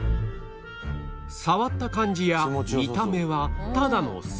触った感じや見た目はただの砂